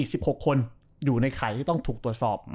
๑๖คนอยู่ในข่ายที่ต้องถูกตรวจสอบ